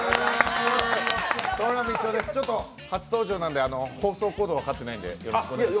ちょっと初登場なんで放送コード分かってないんでよろしくお願いします。